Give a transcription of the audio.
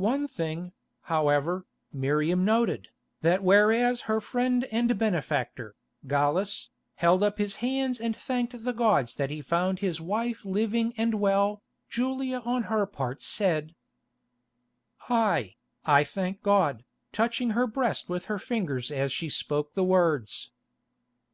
One thing, however, Miriam noted, that whereas her friend and benefactor, Gallus, held up his hands and thanked the gods that he found his wife living and well, Julia on her part said: "Aye, I thank God," touching her breast with her fingers as she spoke the words.